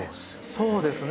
そうですね。